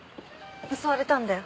襲われたんだよ私。